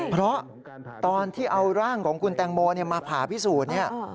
เพราะตอนที่เอาร่างของคุณแตงโมมาผ่าพิสูจน์เนี่ย